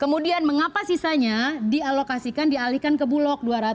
kemudian mengapa sisanya dialokasikan dialihkan ke bulog dua ratus enam puluh tujuh ribu ton oleh bumn